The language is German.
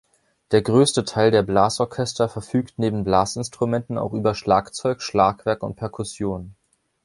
Der größte Teil der Blasorchester verfügt neben Blasinstrumenten auch über Schlagzeug, Schlagwerk und Perkussion.